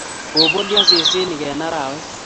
Kobolio sesenik eng arawet